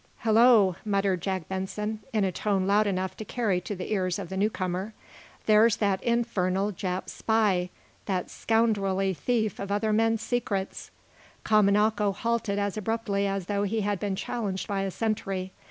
"Hullo!" muttered Jack Benson, in a tone loud enough to carry to the ears of the newcomer. "There's that infernal Jap spy that scoundrelly thief of other men's secrets!" Kamanako halted as abruptly as though he had been challenged by a sentry.